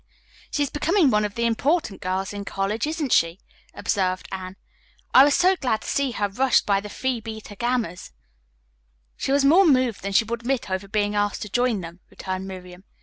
"She is becoming one of the important girls in college, isn't she?" observed Anne. "I was so glad to see her rushed by the Phi Beta Gammas." "She was more moved than she would admit over being asked to join them," returned Miriam.